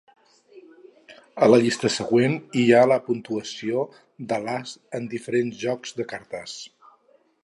A la llista següent hi ha la puntuació de l'as en diferents jocs de cartes.